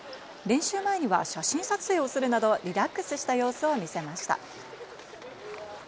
練習前には写真撮影をするなど、リラックスした様子を見せました。